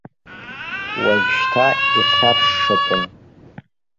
Уажәшьҭа ихьаршшатәын.